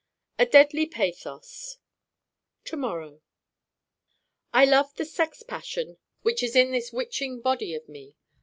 A deathly pathos To morrow I love the sex passion which is in this witching Body of me.